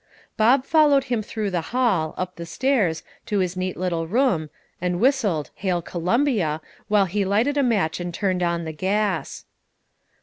Bob followed him through the hall, up the stairs, to his neat little room, and whistled "Hail, Columbia," while he lighted a match and turned on the gas.